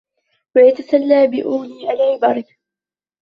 وَيَتَسَلَّى بِأُولِي الْعِبَرِ